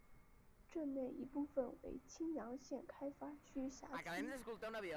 镇内一部分为青阳县开发区辖区。